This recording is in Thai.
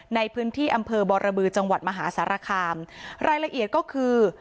ในพื้นที่อำเภอบรบือจังหวัดมหาสารคามรายละเอียดก็คือ